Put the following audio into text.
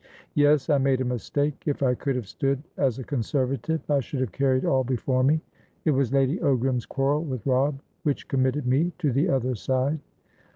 "Yes. I made a mistake. If I could have stood as a Conservative, I should have carried all before me. It was Lady Ogram's quarrel with Robb which committed me to the other side."